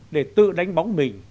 để tự đánh bóng mình